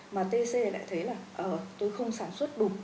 mà tc lại thấy là tôi không sản xuất đủ